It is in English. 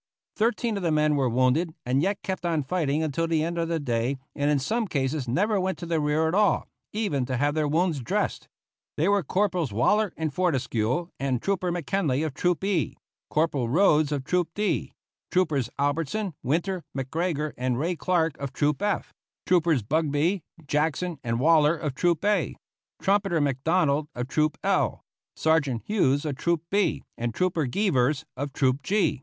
Thirteen of the men were wounded and yet kept on fighting until the end of the day, and in some cases never went to the rear at all, even to have their wounds dressed. They were Corporals Waller and Fortescue and Trooper McKinley of Troop E; Corporal Roades of Troop D; Troopers Albertson, Winter, McGregor, and Ray Clark of Troop F; Troopers Bugbee, Jackson, and Waller of Troop A; Trumpeter McDonald of Troop L; Sergeant Hughes of Troop B; and Trooper Gievers of Troop G.